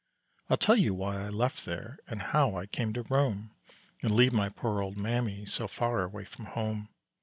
I'll tell you why I left there And how I came to roam, And leave my poor old mammy, So far away from home.